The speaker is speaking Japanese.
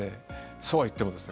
そうは言ってもですね